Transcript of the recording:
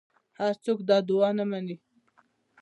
هر څوک دا ادعا نه مني